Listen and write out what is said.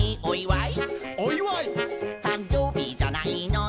「お祝い！」